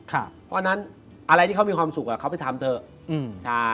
เพราะฉะนั้นอะไรที่เขามีความสุขเขาไปทำเถอะ